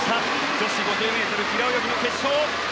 女子５０ｍ平泳ぎの決勝。